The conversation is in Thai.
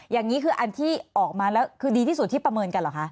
อย่างนี้คืออันที่ออกมาแล้วคือดีที่สุดที่ประเมินกันเหรอคะ